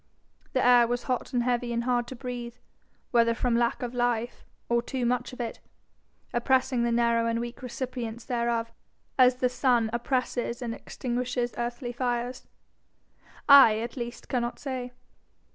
The air was hot and heavy and hard to breathe whether from lack of life, or too much of it, oppressing the narrow and weak recipients thereof, as the sun oppresses and extinguishes earthly fires, I at least cannot say.